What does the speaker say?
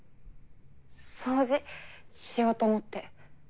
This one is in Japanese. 掃除しようと思って。